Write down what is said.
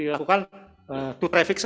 ini adalah satu dari satu